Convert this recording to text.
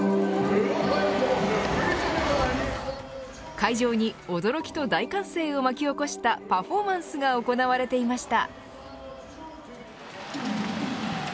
会場に驚きと大歓声を巻き起こしたパフォーマンスが行われていました。